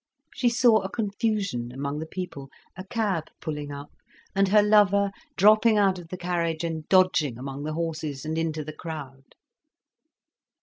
She saw a confusion among the people, a cab pulling up, and her lover dropping out of the carriage, and dodging among the horses and into the crowd.